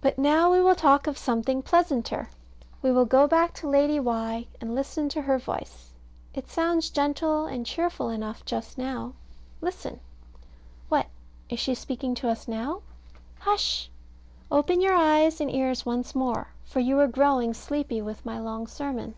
But now we will talk of something pleasanter. We will go back to Lady Why, and listen to her voice. It sounds gentle and cheerful enough just now. Listen. What? is she speaking to us now? Hush! open your eyes and ears once more, for you are growing sleepy with my long sermon.